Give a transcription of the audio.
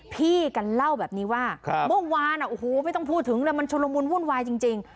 พี่กันเล่าแบบนี้ว่าเมื่อวานโอ้โหไม่ต้องพูดถึงเลยมันชุลมุนวุ่นวายจริง